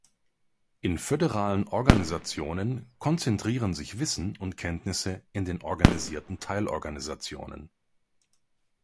In föderalen Organisationen konzentrieren sich Wissen und Kenntnisse in den -organisierten Teilorganisationen.